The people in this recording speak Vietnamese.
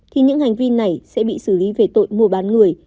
thì những hành vi này sẽ bị xử lý về tội mua bán người